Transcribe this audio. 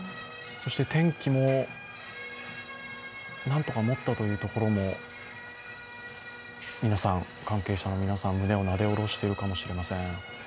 天気も何とかもったというところも、関係者の皆さん、胸をなで下ろしているかもしれません。